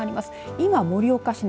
今、盛岡市内